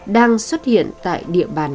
đang xuất hiện tại địa bàn